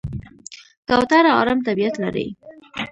کوتره آرام طبیعت لري.